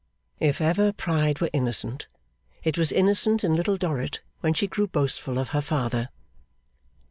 If ever pride were innocent, it was innocent in Little Dorrit when she grew boastful of her father.